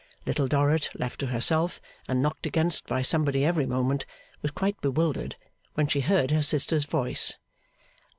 Little Dorrit, left to herself, and knocked against by somebody every moment, was quite bewildered, when she heard her sister's voice.